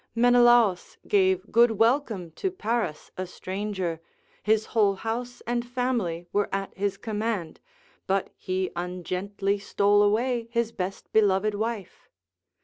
Menelaus gave good welcome to Paris a stranger, his whole house and family were at his command, but he ungently stole away his best beloved wife.